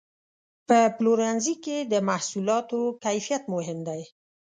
په پلورنځي کې د محصولاتو کیفیت مهم دی.